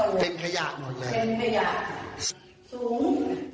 พ่วงหัวหมดแล้วยังมาถึงหน้าตะวนเต็มขยะซุ้ม